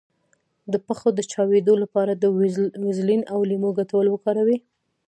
د پښو د چاودیدو لپاره د ویزلین او لیمو ګډول وکاروئ